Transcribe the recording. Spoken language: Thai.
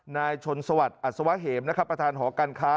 นายชนสวัสดิ์อัศวะเหมนะครับประธานหอการค้า